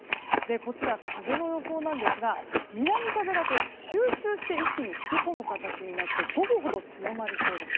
こちら、風の予想なんですが南風が集中して一気に吹き込む形になって午後ほど強まりそうです。